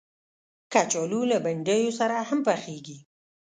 کچالو له بنډیو سره هم پخېږي